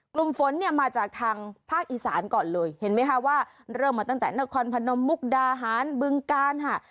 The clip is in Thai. กลุ่มฝนเนี่ยมาจากทางภาคอีสานก่อนเลยเห็นไหมคะว่าเริ่มมาตั้งแต่นครพนมมุกดาหารบึงกาลค่ะ